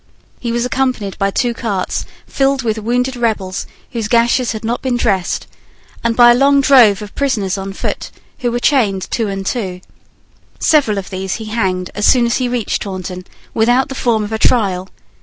He was accompanied by two carts filled with wounded rebels whose gashes had not been dressed, and by a long drove of prisoners on foot, who were chained two and two Several of these he hanged as soon as he reached Taunton, without the form of a trial.